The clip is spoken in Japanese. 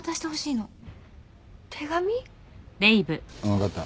分かった。